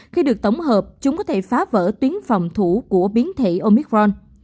khi được tổng hợp chúng có thể phá vỡ tuyến phòng thủ của biến thể omicron